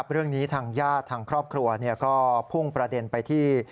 เรื่องนี้ทางญาติทางครอบครัวก็พุ่งประเด็นไปที่